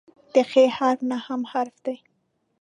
د "خ" حرف نهم حرف دی.